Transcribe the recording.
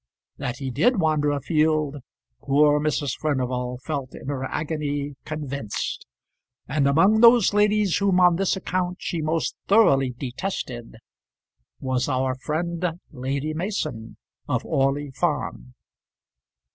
That he did wander afield, poor Mrs. Furnival felt in her agony convinced; and among those ladies whom on this account she most thoroughly detested was our friend Lady Mason of Orley Farm.